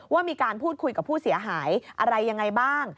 ว่ามีการพูดคุยกับผู้เสียหายอะไรยังไงบ้าง